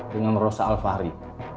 dengan rosa alfahri